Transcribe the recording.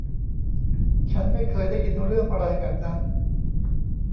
ฉันไม่เคยได้ยินเรื่องอะไรแบบนั้น